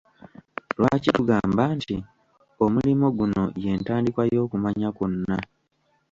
Lwaki tugamba nti: Omulimo guno ye ntandikwa y'okumanya kwonna?